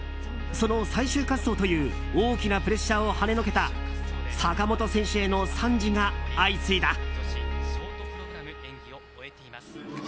その最終滑走という大きなプレッシャーをはねのけた坂本選手への賛辞が相次いだ。